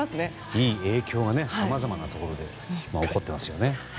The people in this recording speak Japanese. いい影響がさまざまなところで起こってますよね。